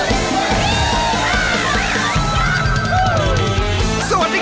อบเตอร์มหาสนุกกลับมาสร้างความสนุกสนานครื้นเครงพร้อมกับแขกรับเชิง